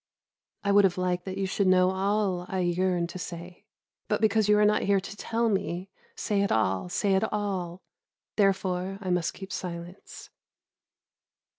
I would have liked that you should know all I yearn to say, but because you are not here to tell me, "Say it, say it all," therefore I must keep silence.